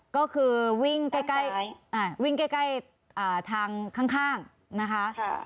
ก็คือวิ่งใกล้ทางข้างนะคะ